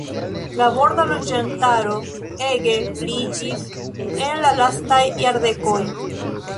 La borda loĝantaro ege pliiĝis en la lastaj jardekoj.